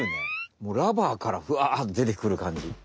もうラバーからふわでてくるかんじ。